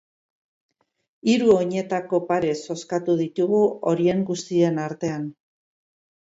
Hiru oinetako pare zozkatu ditugu horien guztien artean.